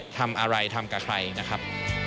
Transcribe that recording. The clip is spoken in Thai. ทำอะไรทำกับใครนะครับ